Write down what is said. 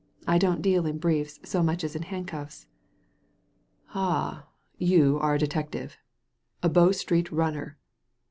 I don't deal in briefs so much as in handcuffs." "Ah I You are a detective. A Bow Street Runner."